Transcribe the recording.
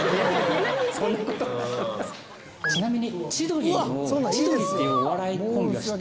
ちなみに千鳥千鳥っていうお笑いコンビは知ってますか？